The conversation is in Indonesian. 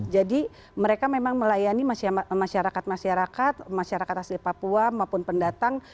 mereka memang melayani masyarakat masyarakat masyarakat asli papua maupun pendatang